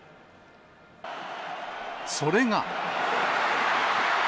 それが。